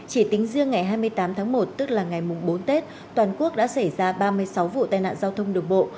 chỉ tính riêng ngày hai mươi tám tháng một tức là ngày bốn tết toàn quốc đã xảy ra ba mươi sáu vụ tai nạn giao thông đường bộ